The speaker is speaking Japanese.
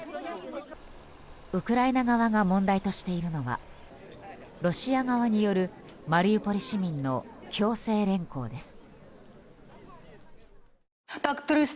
ウクライナ側が問題としているのはロシア側によるマリウポリ市民の強制連行です。